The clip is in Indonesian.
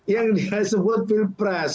yang disebut pilpres